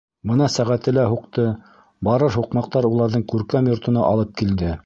Бына сәғәте лә һуҡты, барыр һуҡмаҡтар уларҙың күркәм йортона алып килде.